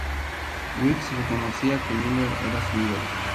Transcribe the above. Wills reconocía que Miller era su ídolo.